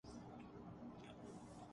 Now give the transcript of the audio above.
یہ جنت کے مالک کا کلام ہے